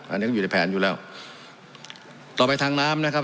อันนี้ก็อยู่ในแผนอยู่แล้วต่อไปทางน้ำนะครับ